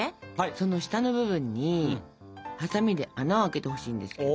その下の部分にハサミで穴を開けてほしいんですけど。